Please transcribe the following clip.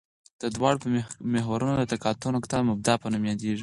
د دواړو محورونو د تقاطع نقطه د مبدا په نوم یادیږي